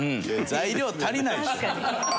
材料足りないでしょ。